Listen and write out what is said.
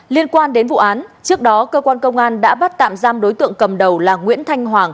liên quan đến vụ án trước đó cơ quan công an đã bắt tạm giam đối tượng cầm đầu là nguyễn thanh hoàng